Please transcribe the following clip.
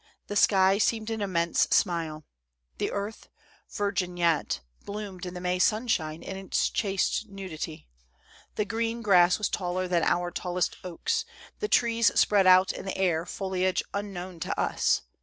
The sky seemed an immense smile. The earth, virgin yet, bloomed in the May sunshine, in its chaste nudity. The green grass was taller than our tallest oaks; the trees spread out in the air foliage unknown to us.